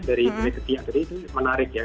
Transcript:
dari ketiga tadi itu menarik ya